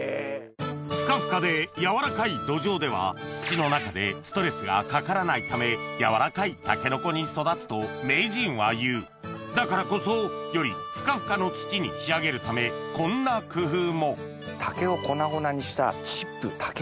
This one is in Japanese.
ふかふかで柔らかい土壌では土の中でストレスがかからないため柔らかいタケノコに育つと名人は言うだからこそよりふかふかの土に仕上げるためこんな工夫も竹を粉々にしたチップ。